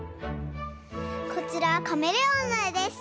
こちらはカメレオンのえです。